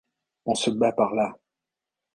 On se bat par-là!